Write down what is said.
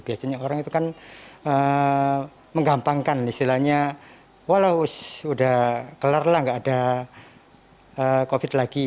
biasanya orang itu kan menggampangkan istilahnya walau sudah kelar lah nggak ada covid lagi